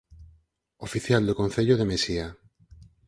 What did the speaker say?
Oficial do concello de Mesía.